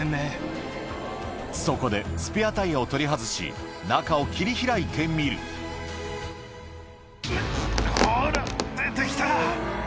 そこでスペアタイヤを取り外し中を切り開いてみるほら出て来た。